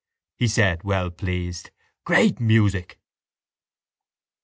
he said, well pleased. Great music!